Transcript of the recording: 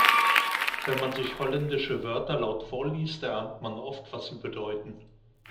Wenn man sich holländische Wörter laut vorliest, erahnt man oft, was sie bedeuten.